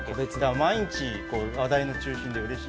毎日話題の中心でうれしい。